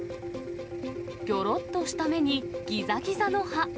ぎょろっとした目に、ぎざぎざの歯。